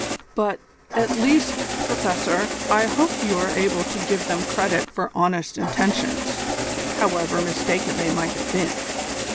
"But, at least, Professor, I hope you are able to give them credit for honest intentions, however mistaken they might have been?"